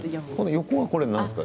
横はなんですか？